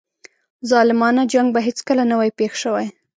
ظالمانه جنګ به هیڅکله نه وای پېښ شوی.